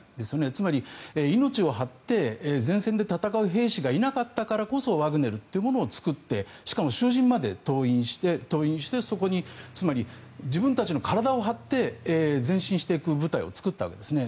つまり、命を張って前線で戦う兵士がいなかったからこそワグネルっていうものを作ってしかも囚人まで動員してそこに自分たちの体を張って前進していく部隊を作ったわけですね。